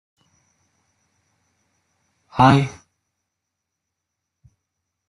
Four hours of steady work faced us.